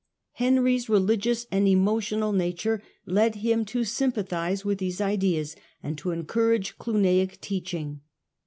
Henry's religious and emotional nature led him to sympathize with these ideas and to encourage Cluniac teaching.